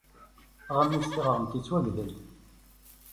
Aɣmis Tiɣremt yettwagdel.